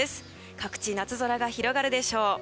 各地、夏空が広がるでしょう。